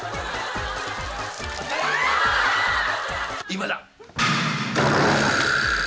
今だ！